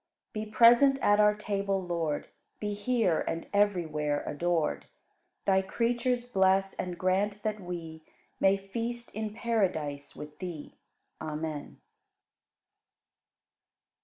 42. Be present at our table, Lord, Be here and everywhere adored. Thy creatures bless and grant that we May feast in paradise with Thee. Amen.